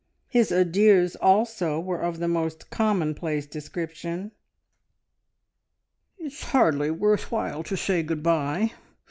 His adieux also were of the most commonplace description. "It's hardly worth while to say good bye.